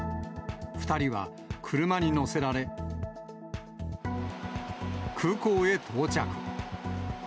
２人は車に乗せられ、空港へ到着。